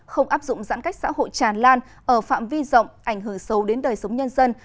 không áp dụng giãn cách xã hội tràn lan ở phạm vi rộng ảnh hưởng sâu đến đời sống nhân dân